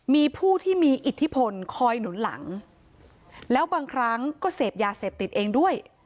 มีผู้ที่มีอิทธิพลคอยหนุนหลังแล้วบางครั้งก็เสพยาเสพติดเองด้วย